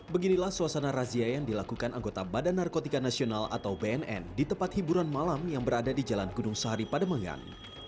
beginilah suasana razia yang dilakukan anggota badan narkotika nasional atau bnn di tempat hiburan malam yang berada di jalan gunung sahari pademangan